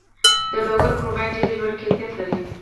د لوګر کرومایټ ډیر لوړ کیفیت لري.